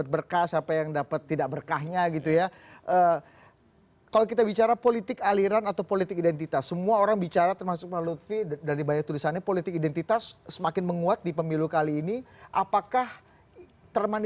berlangganan untuk berlangganan